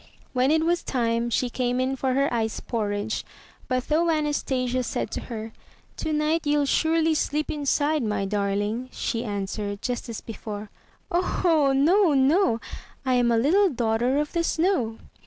When it was time, she came in for her ice porridge, 233 MY BOOK HOUSE but though Anastasia said to her, 'To night you'll surely sleep inside, my darling," she answered just as before, *'0, ho! No, no! I am a little daughter of the Snow!"